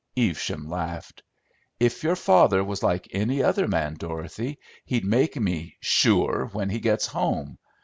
Evesham laughed. "If your father was like any other man, Dorothy, he'd make me 'sure,' when he gets home.